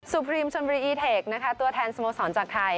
สุพรีมชนวรีอีเทคตัวแทนสโมสรจากไทย